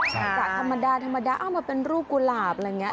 จากธรรมดาเอามาเป็นรูปกุหลาบอะไรเงี้ย